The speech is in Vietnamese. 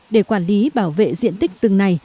để quản lý bảo vệ diện tích rừng này